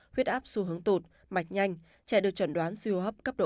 huyết áp xu hướng tụt mạch nhanh trẻ được chẩn đoán suy hô hấp cấp độ ba